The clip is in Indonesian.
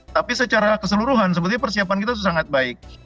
tapi secara keseluruhan sebetulnya persiapan kita sudah sangat baik